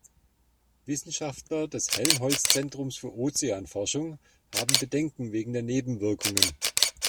Wissenschaftler des Helmholtz-Zentrums für Ozeanforschung haben Bedenken wegen der Nebenwirkungen.